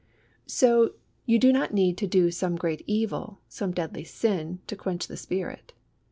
So you do not need to do some great evil, some deadly sin, to quench the Spirit.